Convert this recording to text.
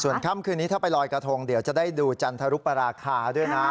ค่ำคืนนี้ถ้าไปลอยกระทงเดี๋ยวจะได้ดูจันทรุปราคาด้วยนะ